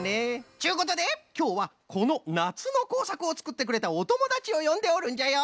ちゅうことできょうはこのなつのこうさくをつくってくれたおともだちをよんでおるんじゃよ。